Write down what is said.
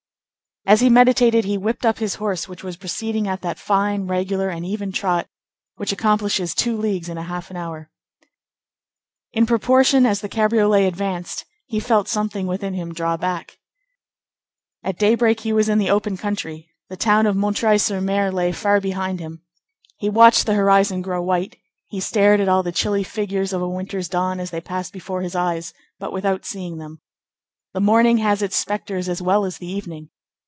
As he meditated, he whipped up his horse, which was proceeding at that fine, regular, and even trot which accomplishes two leagues and a half an hour. In proportion as the cabriolet advanced, he felt something within him draw back. At daybreak he was in the open country; the town of M. sur M. lay far behind him. He watched the horizon grow white; he stared at all the chilly figures of a winter's dawn as they passed before his eyes, but without seeing them. The morning has its spectres as well as the evening.